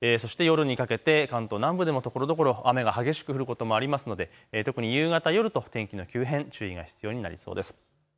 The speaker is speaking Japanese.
そして夜にかけて関東南部でもところどころ雨が激しく降る所もありますので特に夕方、夜と天気の急変、注意が必要になりそうです。